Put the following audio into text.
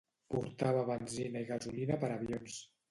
Portava benzina i gasolina per avions.